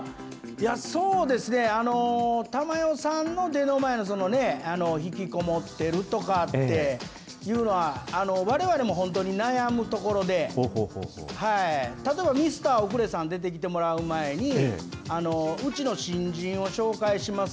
そうですね、珠代さんの出の前の、引きこもってるとかっていうのは、われわれも本当に悩むところで、例えばミスターオクレさん出てきてもらう前に、うちの新人を紹介します